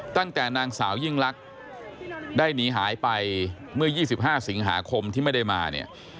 ตั้งแต่นางสาวยิ่งลักษณ์ได้หนีหายไปเมื่อ๒๕สิงหาคมที่ไม่ได้มาเนี่ย